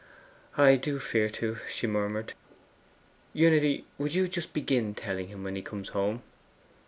'I do fear to,' she murmured. 'Unity, would you just begin telling him when he comes home?